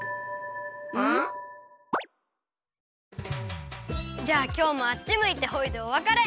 ん？じゃあきょうもあっちむいてホイでおわかれ。